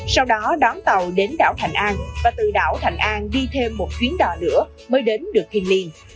sau đó đón tàu đến đảo thạnh an và từ đảo thạnh an đi thêm một chuyến đò nữa mới đến được thiền liên